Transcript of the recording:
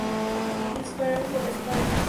Le dispararon por la espalda.